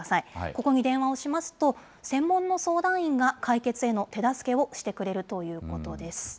ここに電話をしますと、専門の相談員が解決への手助けをしてくれるということです。